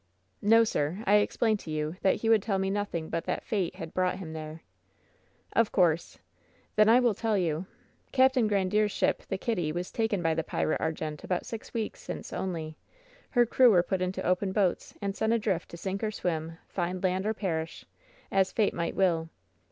"No, sir. I explained to you that he would tell me nothing but that fate had brought him there." "Of course. Then I will tell you. Capt. Grandiere's ship, the Kitty, was taken by the pirate Argente about six weeks since only. Her crew were put into open boats and sent adrift to sink or swim, find land or perish, as fate might will.